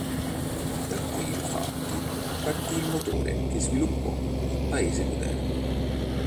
Da qui infatti, partì il motore che sviluppò il paese moderno.